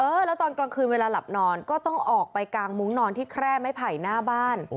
แล้วตอนกลางคืนเวลาหลับนอนก็ต้องออกไปกางมุ้งนอนที่แคร่ไม้ไผ่หน้าบ้าน